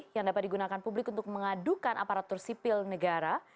yang dapat digunakan publik untuk mengadukan aparatur sipil negara